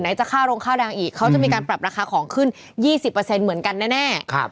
จะค่าโรงค่าดังอีกเขาจะมีการปรับราคาของขึ้น๒๐เหมือนกันแน่